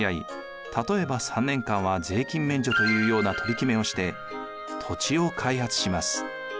例えば３年間は税金免除というような取り決めをして土地を開発します。